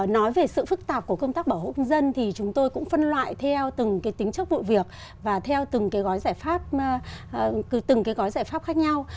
nói về sự phức tạp của công tác bảo hộ công dân thì chúng tôi cũng phân loại theo từng tính chất vụ việc và theo từng gói giải pháp khác nhau